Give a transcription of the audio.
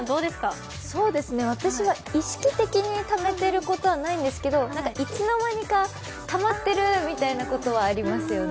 私は意識的にためてることはないんですけどいつの間にか、たまってるみたいなことはありますよね。